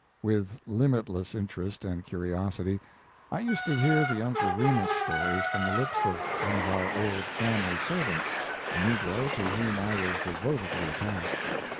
With limitless interest and curiosity, I used to hear the Uncle Remus stories from the lips of one of our old family servants, a negro to whom I was devotedly attached.